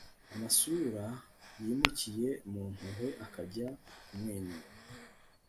amasura yimukiye mu mpuhwe akajya kumwenyura